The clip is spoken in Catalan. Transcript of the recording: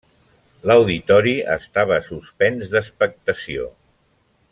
L'auditori estava suspens d'expectació.